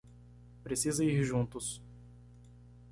Precisa ir juntos